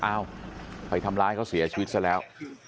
อ้าวไปทำร้ายเขาเสียชีวิตซะแล้ว